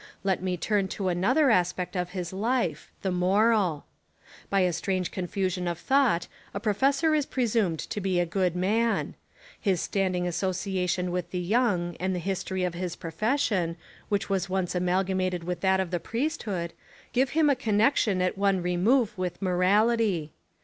Let me turn to another aspect of his life, the moral. By a strange confusion of thought a professor is presumed to be a good man. His standing association with the young and the history of his profession, which was once amalgamated with that of the priesthood, give him a con nexion at one remove with morality.